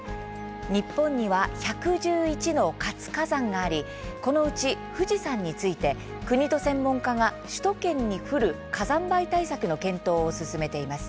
日本には１１１の活火山がありこのうち富士山について国と専門家が、首都圏に降る火山灰対策の検討を進めています。